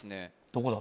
どこだ？